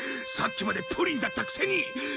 さっきまでプリンだったくせに！